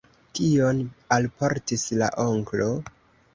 Kion alportis la onklo?